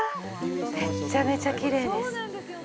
めっちゃめちゃきれいです。